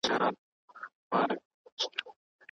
څنګه ځايي بڼوال افغاني غالۍ ترکیې ته لیږدوي؟